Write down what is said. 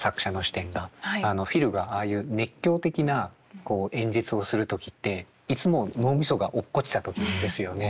フィルがああいう熱狂的な演説をする時っていつも脳みそが落っこちた時なんですよね。